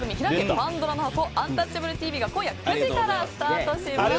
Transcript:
パンドラの箱アンタッチャブるＴＶ」が今夜９時からスタートします。